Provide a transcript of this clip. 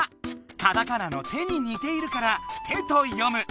カタカナの「テ」に似ているから「テ」と読む。